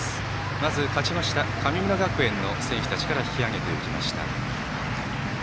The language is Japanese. まず勝ちました神村学園の選手たちから引き揚げていきました。